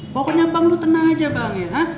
pokoknya bang lu tenang aja bang ya